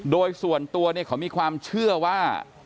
โดยส่วนตัวเนี่ยเขามีความเชื่อว่า